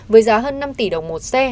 với giá hơn năm tỷ đồng một xe